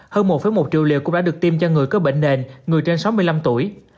hơn một một triệu liều cũng đã được tiêm cho người có bệnh nền người trên sáu mươi năm tuổi